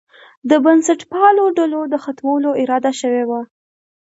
د بنسټپالو ډلو د ختمولو اراده شوې وه.